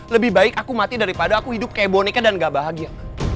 lebih baik aku mati daripada aku hidup kayak boneka dan gak bahagia